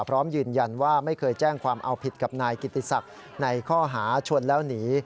พร้อมยืนยันว่าไม่เคยแจ้งความเอาผิดกับนายกิติศักดิ์ในข้อหาชนแล้วหนี